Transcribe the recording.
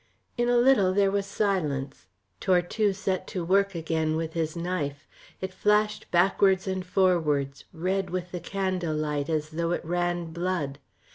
In a little there was silence. Tortue set to work again with his knife. It flashed backwards and forwards, red with the candle light as though it ran blood.